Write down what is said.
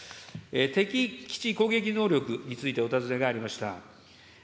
敵基地攻撃能力についてお尋ねがありました。